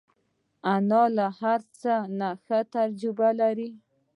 انا له هر څه نه ښه تجربه لري